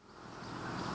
cầu tà vài